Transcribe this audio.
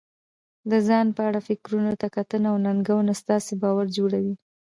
د ځان په اړه فکرونو ته کتنه او ننګونه ستاسې باور جوړوي.